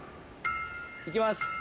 いきます。